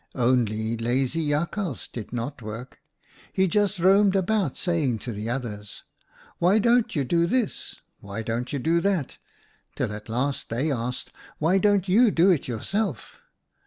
Only lazy Jakhals did not work. He just roamed round saying to the others, ' Why don't you do this ?'* Why don't you do that?' till at last they asked, ' Why don't you do it yourself?'